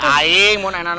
aying mau padali